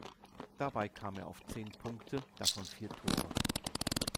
Dabei kam er auf zehn Punkte, davon vier Tore.